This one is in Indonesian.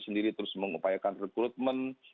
sendiri terus mengupayakan rekrutmen